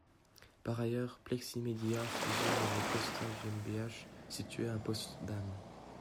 Par ailleurs, Pleximedia fusionne avec Costa Gmbh, situé à Potsdam.